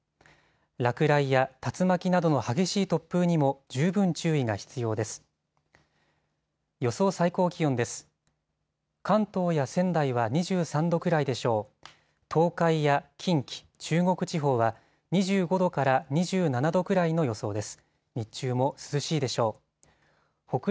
落雷や竜巻などの激しい突風にも十分注意が必要です。